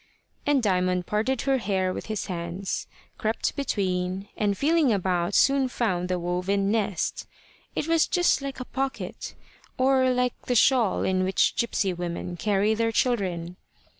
And Diamond parted her hair with his hands, crept between, and feeling about soon found the woven nest. It was just like a pocket, or like the shawl in which gipsy women carry their children.